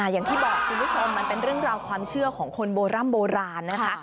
อย่างที่บอกคุณผู้ชมมันเป็นเรื่องราวความเชื่อของคนโบร่ำโบราณนะคะ